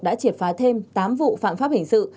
đã triệt phá thêm tám vụ phạm pháp hình sự